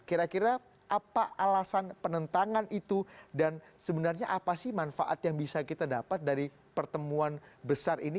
kira kira apa alasan penentangan itu dan sebenarnya apa sih manfaat yang bisa kita dapat dari pertemuan besar ini